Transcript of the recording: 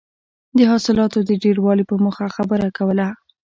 د حاصلاتو د ډېروالي په موخه خبره کوله.